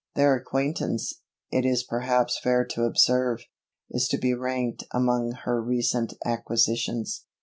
Their acquaintance, it is perhaps fair to observe, is to be ranked among her recent acquisitions.